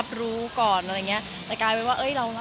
มีปิดฟงปิดไฟแล้วถือเค้กขึ้นมา